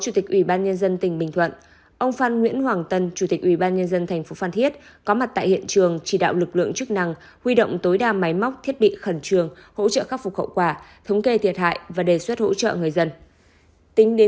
chủ tịch ủy ban nhân dân tỉnh bình thuận ông phan nguyễn hoàng tân chủ tịch ủy ban nhân dân thành phố phan thiết có mặt tại hiện trường chỉ đạo lực lượng chức năng huy động tối đa máy móc thiết bị khẩn trường hỗ trợ khắc phục hậu quả thống kê thiệt hại và đề xuất hỗ trợ người dân